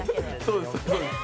そうですそうです。